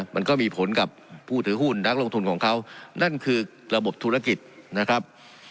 มันก็มีผลกับผู้ถือหุ้นนักลงทุนของเขานั่นคือระบบธุรกิจนะครับ